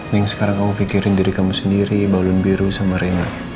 yang sekarang kamu pikirin diri kamu sendiri balun biru sama rena